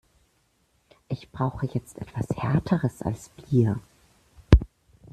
Ich brauche jetzt etwas Härteres als Bier.